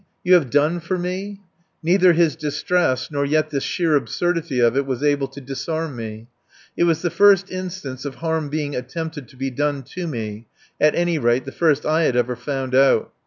You have done for me?" Neither his distress nor yet the sheer absurdity of it was able to disarm me. It was the first instance of harm being attempted to be done to me at any rate, the first I had ever found out.